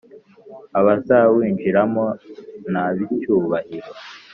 Abazawinjiramo n ab icyubahiro